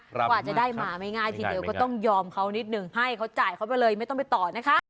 กว่าจะได้มาไม่ง่ายทีเดียวก็ต้องยอมเขานิดหนึ่งให้เขาจ่ายเขาไปเลยไม่ต้องไปต่อนะคะ